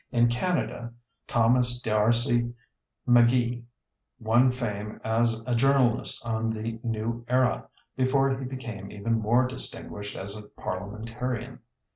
In Canada, Thomas D'Arcy Magee won fame as a journalist on the New Era before he became even more distinguished as a parliamentarian.